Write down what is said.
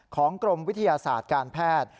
กรมวิทยาศาสตร์การแพทย์